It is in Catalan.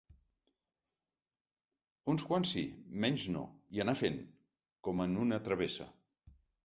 Uns quants sí, menys no, i anar fent, com en una travessa.